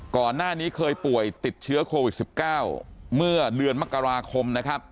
ก่อนหน้านี้เคยป่วยติดเชื้อโควิด๑๙เมื่อเดือนมกราคมนะครับ